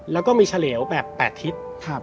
แล้วก็มีเฉลวแบบ๘ทิศ